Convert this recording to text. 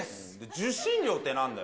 受信料ってなんだよ。